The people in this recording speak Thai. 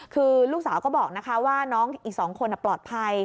คือลูกสาวก็บอกนะคะว่าน้องอีก๒คนปลอดภัย